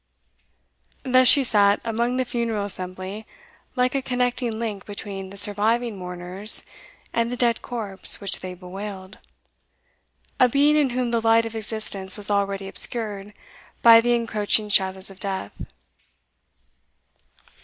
Thus she sat among the funeral assembly like a connecting link between the surviving mourners and the dead corpse which they bewailed a being in whom the light of existence was already obscured by the encroaching shadows of death.